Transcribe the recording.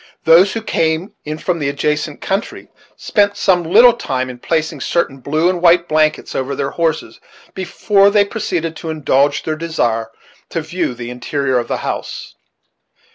Those who came in from the adjacent country spent some little time in placing certain blue and white blankets over their horses before they proceeded to indulge their desire to view the interior of the house.